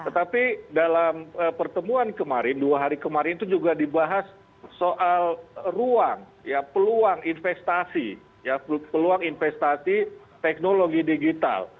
tetapi dalam pertemuan kemarin dua hari kemarin itu juga dibahas soal ruang peluang investasi peluang investasi teknologi digital